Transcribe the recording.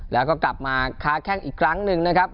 แล้วก็กลับมาค้าแข้งอีกครั้งหนึ่งนะครับ